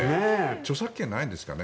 著作権、ないんですかね。